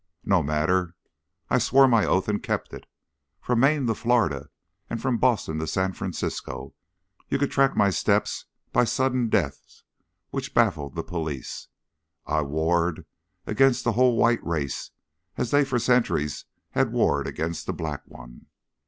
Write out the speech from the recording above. "No matter! I swore my oath, and I kept it. From Maine to Florida, and from Boston to San Francisco, you could track my steps by sudden deaths which baffled the police. I warred against the whole white race as they for centuries had warred against the black one.